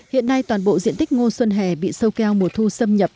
hiện nay toàn bộ diện tích ngô xuân hè bị sâu keo mùa thu xâm nhập